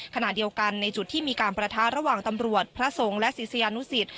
ขณะเดียวกันในจุดที่มีการประทะระหว่างตำรวจพระสงฆ์และศิษยานุสิต